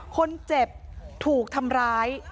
คนเจ็บถูกทำร้าย